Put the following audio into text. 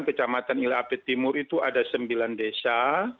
kecamatan ila ape timur itu ada sembilan desa